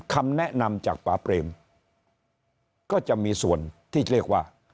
คำแนะนำจากป่าเปรมก็จะมีส่วนที่เรียกว่า